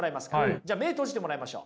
じゃあ目閉じてもらいましょう。